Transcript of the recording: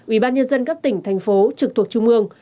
ubnd các tỉnh thành phố trực thuộc trung mương